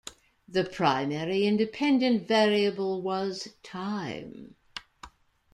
The primary independent variable was time.